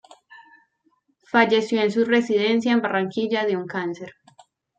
Falleció en su residencia en Barranquilla, de un cáncer.